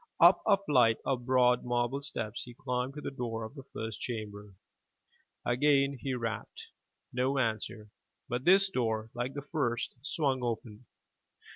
Up a flight of 385 MY BOOK HOUSE broad marble steps he climbed to the door of the first chamber. Again he rapped. No answer, but this door like the first, swung open.